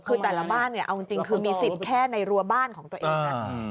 คือแต่ละบ้านเนี่ยเอาจริงคือมีสิทธิ์แค่ในรัวบ้านของตัวเองนะ